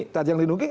tadi yang melindungi